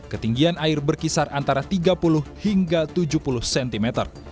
ketinggian air berkisar antara tiga puluh hingga tujuh puluh cm